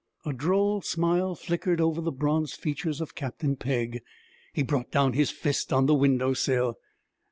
A droll smile flickered over the bronzed features of Captain Pegg. He brought down his fist on the window sill.